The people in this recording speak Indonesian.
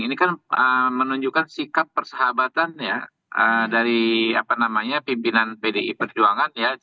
ini kan menunjukkan sikap persahabatan ya dari pimpinan pdi perjuangan ya